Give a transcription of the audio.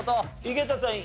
井桁さん